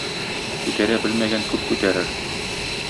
Күтәрә белмәгән күп күтәрер.